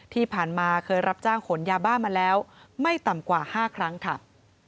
ที่ผ่านมาเคยรับจ้างขนยาบ้ามาแล้วไม่ต่ำกว่า๕ครั้งค่ะ